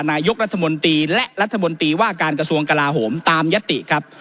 นายกรัฐมนตรีและรัฐมนตรีว่าการกระทรวงกลาโหมตามยติครับ